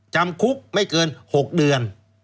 จำคุกไม่เกิน๖เดือน